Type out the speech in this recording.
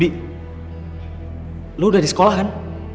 budi lo udah di sekolah kan